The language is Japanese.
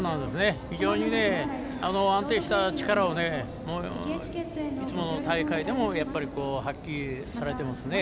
非常に安定した力をいつもの大会でも発揮されてますね。